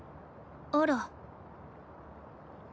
あら。